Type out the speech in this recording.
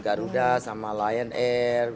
garuda sama lion air